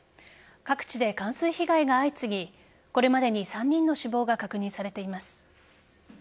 各地で冠水被害が相次ぎこれまでに３人の死亡が確認されています。